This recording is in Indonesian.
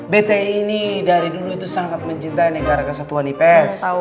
bete ini dari dulu sangat mencintai negara kesatuan ips